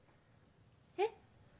えっ？